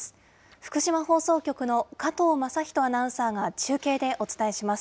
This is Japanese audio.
福島放送局の加藤成史アナウンサーが中継でお伝えします。